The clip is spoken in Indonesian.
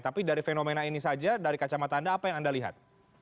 tapi dari fenomena ini saja dari kacamata anda apa yang anda lihat